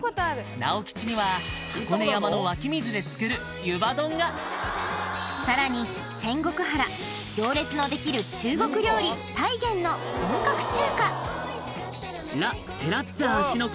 直吉には箱根山の湧き水で作る湯葉丼がさらに仙石原行列のできる中国料理太原の本格中華ラ・テラッツァ芦ノ